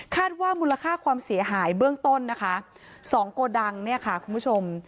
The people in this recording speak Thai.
ว่ามูลค่าความเสียหายเบื้องต้นนะคะสองโกดังเนี่ยค่ะคุณผู้ชม